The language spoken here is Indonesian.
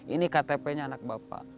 ini ktpnya anak bapak